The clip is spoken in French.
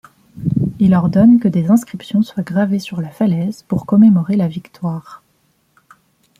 Il ordonne que des inscriptions soient gravées sur la falaise pour commémorer la victoire.